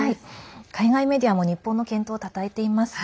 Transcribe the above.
海外メディアも日本の健闘をたたえています。